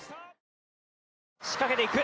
仕掛けていく！